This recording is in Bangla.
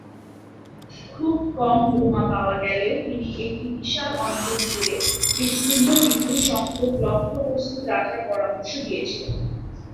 খুব কম বোমা পাওয়া গেলেও তিনি একটি বিশাল অঞ্চল জুড়ে বিস্তীর্ণ বিপুল সংখ্যক লক্ষ্যবস্তু রাখার পরামর্শ দিয়েছিলেন।